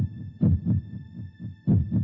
lu sendiri kan yang bilang sama gue